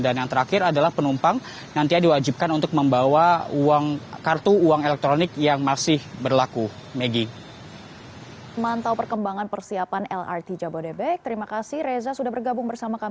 dan yang terakhir adalah penumpang nantinya diwajibkan untuk membawa kartu uang elektronik yang masih berlaku